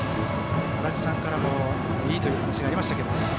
足達さんからもいいというお話がありました。